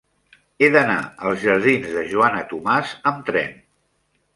He d'anar als jardins de Joana Tomàs amb tren.